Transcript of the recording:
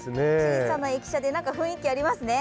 小さな駅舎で何か雰囲気ありますね。